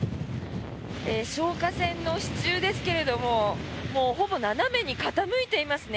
消火栓の支柱ですけれどもほぼ斜めに傾いていますね。